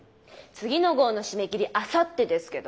次の号の締め切りあさってですけど。